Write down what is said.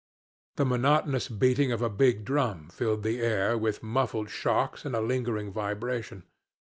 The monotonous beating of a big drum filled the air with muffled shocks and a lingering vibration.